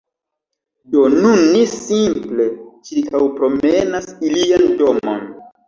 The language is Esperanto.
Do nun ni simple ĉirkaŭpromenas ilian domon.